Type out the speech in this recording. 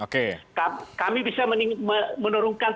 kami bisa menurunkan